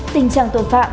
tình trạng tội phạm